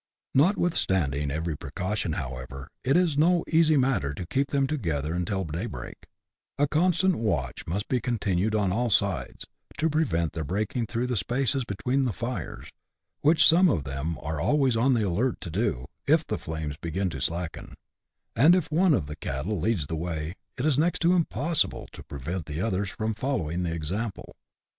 Notwithstanding every precaution, however, it is no easy matter to keep them together until daybreak : a constant watch must be continued on all sides, to prevent their breaking through the spaces between the fires, which some of them are always on the alert to do, if the flames begin to slacken ; and if one of the cattle leads the way, it is next to impossible to prevent the others from following the example.